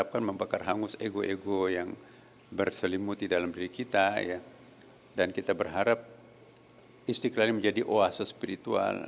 kami membakar hangus ego ego yang berselimut di dalam diri kita dan kita berharap istiqlal menjadi oasis spiritual